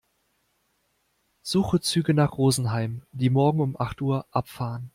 Suche Züge nach Rosenheim, die morgen um acht Uhr abfahren.